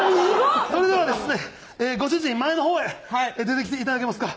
それではですねご主人前のほうへ出てきて頂けますか？